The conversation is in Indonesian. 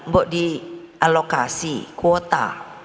buat di alokasi kuota